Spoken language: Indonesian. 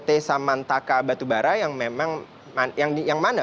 pt samantaka batubara yang memang yang mana